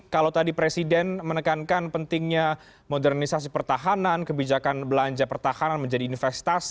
kalau tadi presiden menekankan pentingnya modernisasi pertahanan kebijakan belanja pertahanan menjadi investasi